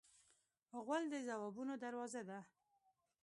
غول د ځوابونو دروازه ده.